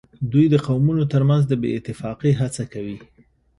دوی د قومونو ترمنځ د بې اتفاقۍ هڅه کوي